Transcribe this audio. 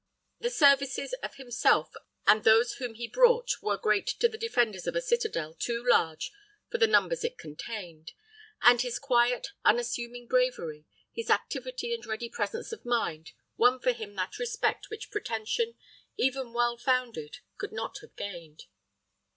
The services of himself and those whom he brought were great to the defenders of a citadel too large for the numbers it contained; and his quiet, unassuming bravery, his activity and ready presence of mind, won for him that respect which pretension, even well founded, could not have gained.